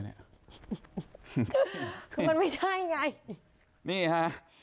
คือมันไม่ได้ยังไงนี่ฮะ